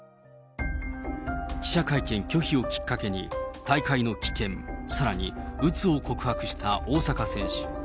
記者会見拒否をきっかけに、大会の棄権、さらに、うつを告白した大坂選手。